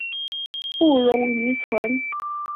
不溶于醇。